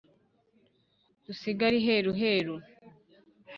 Dusigara iheruheru